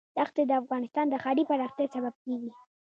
دښتې د افغانستان د ښاري پراختیا سبب کېږي.